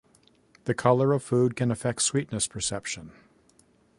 The color of food can affect sweetness perception.